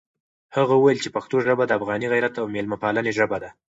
هغه وویل چې پښتو ژبه د افغاني غیرت او مېلمه پالنې ژبه ده.